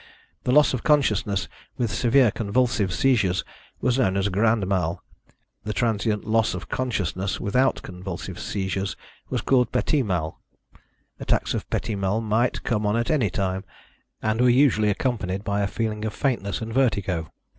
The loss of consciousness with severe convulsive seizures was known as grand mal, the transient loss of consciousness without convulsive seizures was called petit mal. Attacks of petit mal might come on at any time, and were usually accompanied by a feeling of faintness and vertigo.